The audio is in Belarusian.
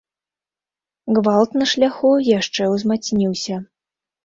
Гвалт на шляху яшчэ ўзмацніўся.